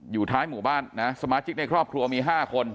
อยู่ท้ายหมู่บ้านนะสมาชิกในครอบครัวมี๕คน